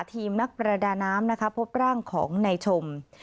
ทีมนักปรดาน้ำพบร่างของนายชง